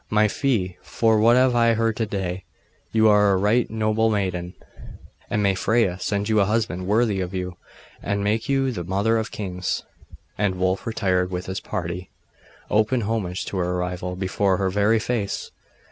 'My fee for what I have heard to day. You are a right noble maiden, and may Freya send you a husband worthy of you, and make you the mother of kings!' And Wulf retired with his party. Open homage to her rival, before her very face!